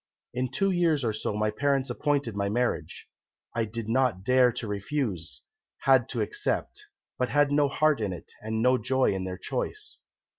"In two years or so my parents appointed my marriage. I did not dare to refuse, had to accept, but had no heart in it, and no joy in their choice.